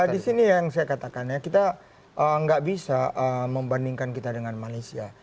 di sini yang saya katakan ya kita nggak bisa membandingkan kita dengan malaysia